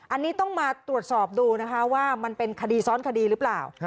อันนี้ต้องมาตรวจสอบดูนะคะว่ามันเป็นคดีซ้อนคดีหรือเปล่า